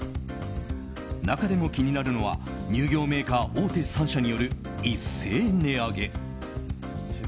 中でも気になるのは乳業メーカー大手３社による一斉値上げ。